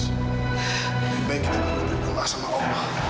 yang baik kita berdoa sama allah